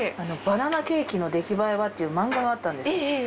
『バナナケーキのできばえは？』っていうマンガがあったんですよ。